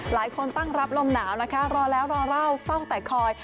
หลายคนตั้งรับลมหนาวนะคะรอแล้วรอเล่าเฝ้าแต่คอย